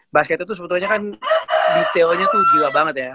basket itu sebetulnya kan detailnya tuh jiwa banget ya